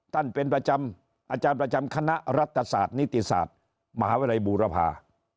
เป็นประจำอาจารย์ประจำคณะรัฐศาสตร์นิติศาสตร์มหาวิทยาลัยบูรพา